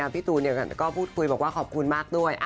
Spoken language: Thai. พี่ตูนก็พูดคุยบอกว่าขอบคุณมากด้วย